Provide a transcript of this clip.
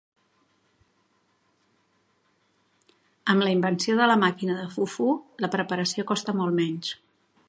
Amb la invenció de la màquina de fufu, la preparació costa molt menys.